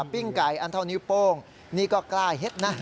ปิ้งไก่อันเท่านิ้วโป้งนี่ก็กล้าเห็ดนะ